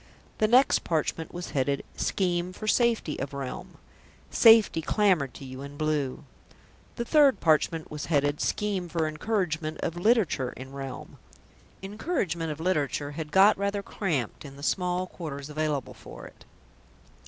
The next parchment was headed: SCHEME FOR SAFETY OF REALM "Safety" clamoured to you in blue. The third parchment was headed: SCHEME FOR ENCOURAGEMENT OF LITERATURE IN REALM "Encouragement of Literature" had got rather cramped in the small quarters available for it.